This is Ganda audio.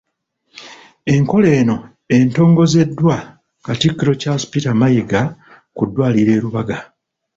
Enkola eno entogozeddwa Katikkiro Charles Peter Mayiga ku ddwaliro e Lubaga.